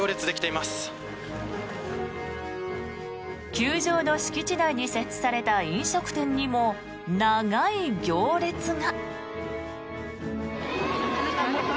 球場の敷地内に設置された飲食店にも長い行列が。